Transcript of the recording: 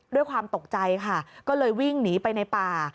ด้วยความตกใจค่ะก็เลยวิ่งหนีไปในป่า